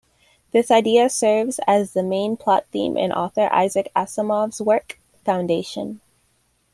This idea serves as the main plot theme in author Isaac Asimov's work, "Foundation".